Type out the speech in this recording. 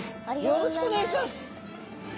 よろしくお願いします。